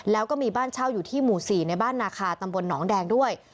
แล้วก็มีบ้านเช่าอยู่ที่หมู่๔ในบ้านนาคาตำบลหนองแดงด้วย